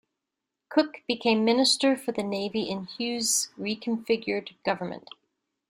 Cook became Minister for the Navy in Hughes' reconfigured government.